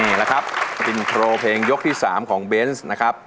ี่แล้วครับดินโทรเพลงยกที่สามของเบนซ์นะครับ